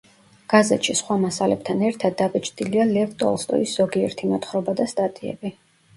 გაზეთში სხვა მასალებთან ერთად დაბეჭდილია ლევ ტოლსტოის ზოგიერთი მოთხრობა და სტატიები.